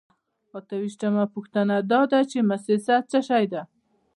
اته ویشتمه پوښتنه دا ده چې موسسه څه شی ده.